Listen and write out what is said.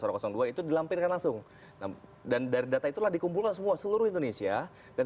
dua itu dilampirkan langsung dan dari data itulah dikumpulkan semua seluruh indonesia dan